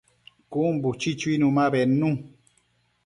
Cun buchi chuinu ma bednu